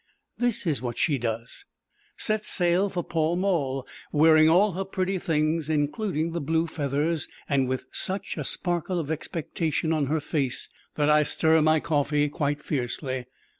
This is what she does: sets sail for Pall Mall, wearing all her pretty things, including the blue feathers, and with such a sparkle of expectation on her face that I stir my coffee quite fiercely.